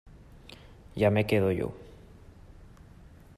ya me quedo yo.